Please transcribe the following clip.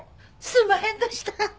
すんまへんどした！